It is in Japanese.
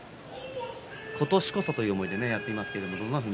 今年こそという思いでやっていますね。